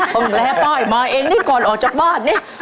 เพิ่งแร่ป้ายมาเองได้ก่อนออกจากบ้านเนี่ย